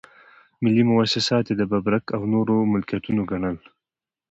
ملي مواسسات یې د ببرک او نورو ملکيتونه ګڼل.